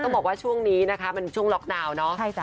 ต้องบอกว่าช่วงนี้เป็นช่วงล็อกนาวนะ